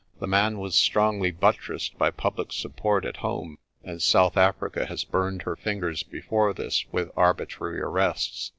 The man was strongly buttressed by public support at home, and South Africa has burned her fingers before this with arbitrary arrests.